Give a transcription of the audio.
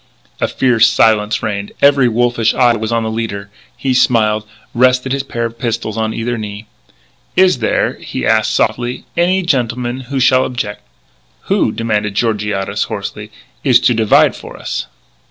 A fierce silence reigned. Every wolfish eye was on the leader. He smiled, rested his pair of pistols on either knee. "Is there," he asked softly, "any gentleman who shall objec'?" "Who," demanded Georgiades hoarsely, "is to divide for us?"